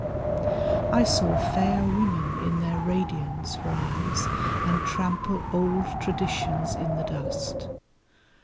I saw fair women in their radiance rise And trample old traditions in the dust.